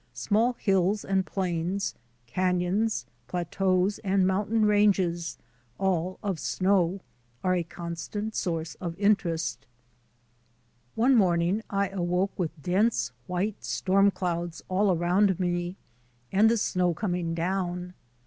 Small hills and plains, can ons, plateaus, and mountain ranges — all of snow — are a constant source of interest. One morning I awoke with dense, white storm clouds all around me and the snow coming down.